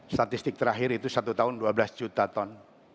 statistik terakhir itu satu tahun dua belas juta ton